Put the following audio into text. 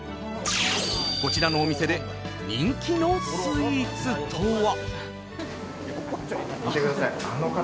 こちらのお店で人気のスイーツとは？